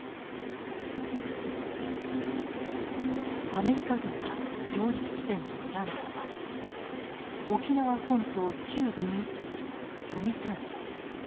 アメリカ軍が上陸地点に選んだのは沖縄本島中部に位置する読谷村。